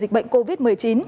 dịch bệnh covid một mươi chín